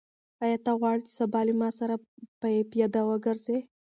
آیا ته غواړې چې سبا له ما سره پیاده وګرځې؟